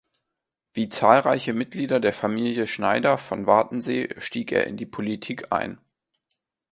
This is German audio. Wie zahlreiche Mitglieder der Familie Schnyder von Wartensee stieg er in die Politik ein.